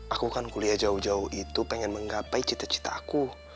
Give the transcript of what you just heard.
aku kan kuliah jauh jauh itu pengen menggapai cita cita aku